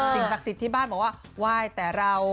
ศักดิ์สิทธิ์ที่บ้านบอกว่าไหว้แต่เรา